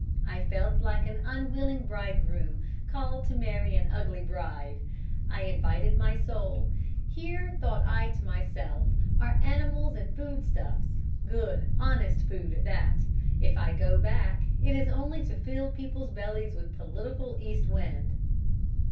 I felt like an unwilling bridegroom called to marry an ugly bride. I invited my soul. Here, thought I to myself, are animals and foodstuffs good, honest food at that. If I go back it is only to fill people's bellies with political east wind.